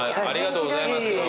ありがとうございます。